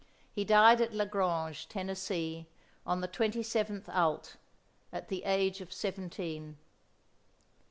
He died at Lagrange, Tennessee, on the 27th ult. at the age of seventeen.